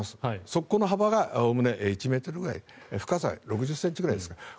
側溝の幅がおおむね１ｍくらい深さ６０ｃｍぐらいですか。